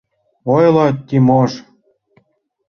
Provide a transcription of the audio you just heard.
Ойло, Тимош?